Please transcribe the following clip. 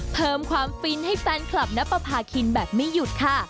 เพิ่มความฟินให้แฟนคลับณปภาคินแบบไม่หยุดค่ะ